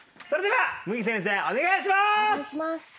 それでは麦先生お願いします！